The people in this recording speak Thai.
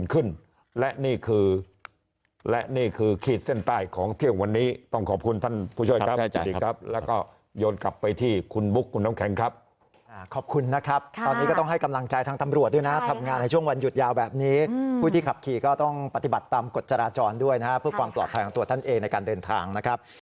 คือขีดเส้นใต้ของที่ของวันนี้ต้องขอบคุณท่านผู้ช่วยครับแล้วก็โยนกลับไปที่คุณบุ๊คคุณน้องแข็งครับขอบคุณนะครับตอนนี้ก็ต้องให้กำลังใจทางตำรวจด้วยนะทำงานในช่วงวันหยุดยาวแบบนี้ผู้ที่ขับขี่ก็ต้องปฏิบัติตามกฎจราจรด้วยนะครับเพื่อความปลอดภัยของตัวท่านเองในการเดินทางนะครับ